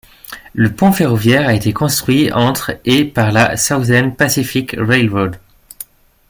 Le pont ferroviaire a été construit entre et par la Southern Pacific Railroad.